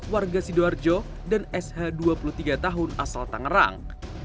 warga sidoarjo dan sh dua puluh tiga tahun asal tangerang